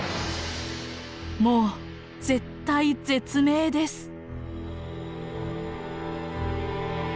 もう絶体絶命です。